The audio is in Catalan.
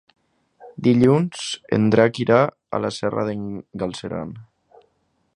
Dilluns en Drac irà a la Serra d'en Galceran.